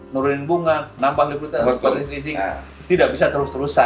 nurunin bunga nambah liputan nambah re sleasing tidak bisa terus terusan